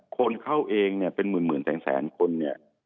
คนเข้าเองเนี่ยเป็นหมื่นแต่งแสนคนเนี่ย